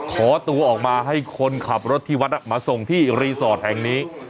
ขอตัวออกมาให้คนขับรถที่วัดมาส่งที่รีสอร์ทแห่งนี้